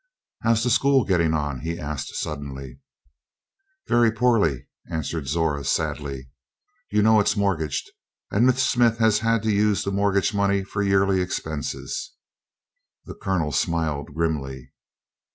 "How's the school getting on?" he asked suddenly. "Very poorly," answered Zora sadly. "You know it's mortgaged, and Miss Smith has had to use the mortgage money for yearly expenses." The Colonel smiled grimly.